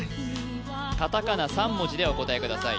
カタカナ３文字でお答えください